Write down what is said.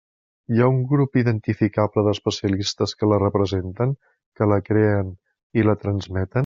Hi ha un grup identificable d'especialistes que la representen, que la creen i la transmeten?